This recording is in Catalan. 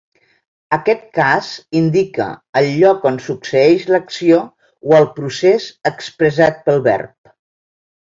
Aquest cas indica el lloc on succeeix l'acció o el procés expressat pel verb.